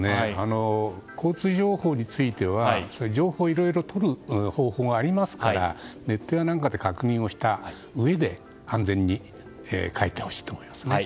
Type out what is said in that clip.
交通情報については情報をいろいろとる方法がありますからネットなどで確認をしたうえで安全に帰ってほしいです。